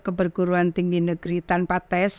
keberguruan tinggi negeri tanpa tes